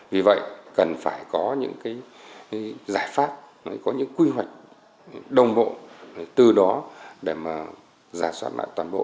vì vậy cần phải có những giải pháp có những quy hoạch đồng bộ từ đó để mà giả soát lại toàn bộ